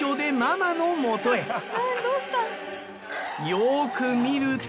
よく見ると。